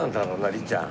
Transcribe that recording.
律ちゃん。